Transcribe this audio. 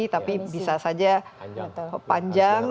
tapi bisa saja panjang